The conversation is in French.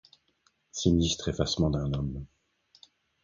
Sinistre effacement d'un homme.